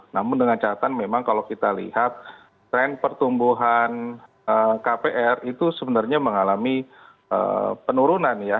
namun dengan catatan memang kalau kita lihat tren pertumbuhan kpr itu sebenarnya mengalami penurunan ya